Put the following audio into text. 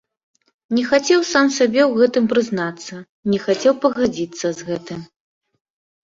Не хацеў сам сабе ў гэтым прызнацца, не хацеў пагадзіцца з гэтым.